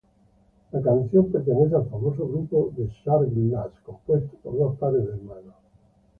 La canción pertenece al famoso grupo The Shangri-Las, compuesto por dos pares de hermanas.